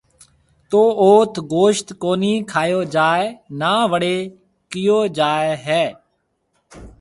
تو اوٿ گوشت ڪونِي کائيو جائي نا وڙيَ ڪيو جائي هيَ۔